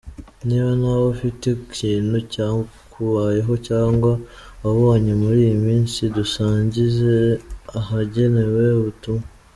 Niba nawe ufite ikintu cyakubayeho cyangwa waboneye muri iyi minsi dusangize ahagenewe ubutumwa.